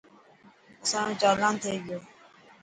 اسانيو چالان ٿي گيو.